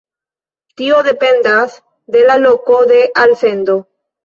Tio dependas de la loko de alsendo.